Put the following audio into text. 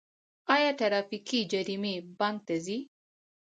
آیا ټرافیکي جریمې بانک ته ځي؟